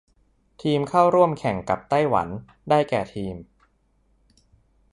ทีมเข้าร่วมแข่งกับไต้หวันได้แก่ทีม